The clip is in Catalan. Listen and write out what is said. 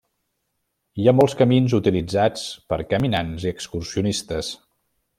Hi ha molts camins utilitzats per caminants i excursionistes.